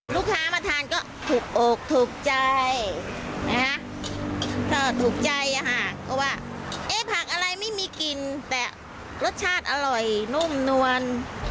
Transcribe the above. ลูกค้ามาทานก็ถูกอกถูกใจนะคะก็ถูกใจอะค่ะก็ว่าเอ๊ะผักอะไรไม่มีกลิ่นแต่รสชาติอร่อยนุ่มนวล